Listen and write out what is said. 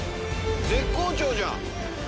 絶好調じゃん。